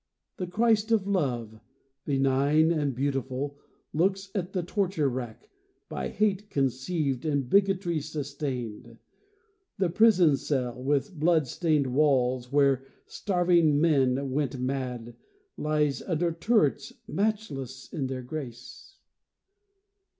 The Christ of love, benign and beautiful, Looks at the torture rack, by hate conceived And bigotry sustained. The prison cell, With blood stained walls, where starving men went mad, Lies under turrets matchless in their grace.